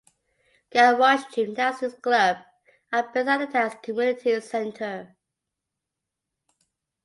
Garioch Gymnastics Club are based at the towns Community Centre.